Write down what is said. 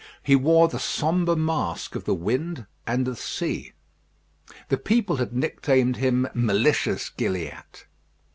He wore the sombre mask of the wind and the sea. The people had nicknamed him "Malicious Gilliatt."